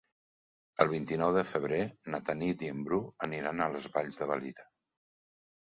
El vint-i-nou de febrer na Tanit i en Bru aniran a les Valls de Valira.